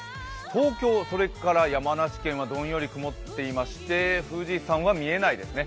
東京それから山梨県はどんより曇っていまして富士山は見えないですね。